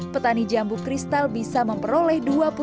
petani jambu kristal bisa memperoleh